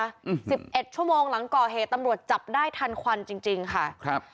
อืมสิบเอ็ดชั่วโมงหลังก่อเหตุตำรวจจับได้ทันควันจริงจริงค่ะครับ